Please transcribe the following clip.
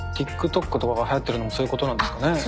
今ＴｉｋＴｏｋとかがはやってるのもそういうことなんですかね？